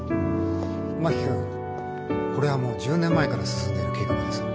真木君これはもう１０年前から進んでいる計画です。